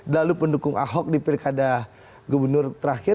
lalu pendukung ahok di pilkada gubernur terakhir